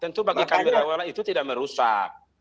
tentu bagi kami relawan itu tidak merusak